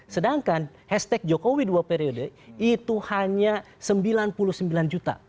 sedangkan hashtag jokowi dua periode itu hanya sembilan puluh sembilan juta